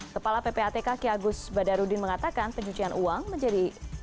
kepala ppatk ki agus badarudin mengatakan pencucian uang menjadi